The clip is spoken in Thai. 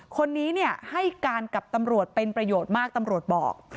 คนนี้ให้การกับตำรวจเป็นประโยชน์มากตำรวจบอก